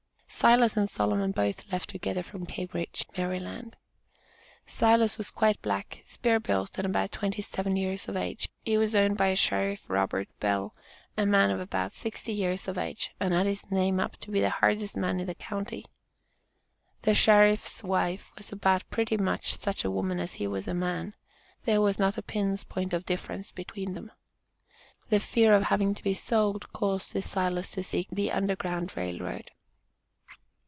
Silas and Solomon both left together from Cambridge, Md. Silas was quite black, spare built and about twenty seven years of age. He was owned by Sheriff Robert Bell, a man about "sixty years of age, and had his name up to be the hardest man in the county." "The Sheriff's wife was about pretty much such a woman as he was a man there was not a pin's point of difference between them." The fear of having to be sold caused this Silas to seek the Underground Rail Road.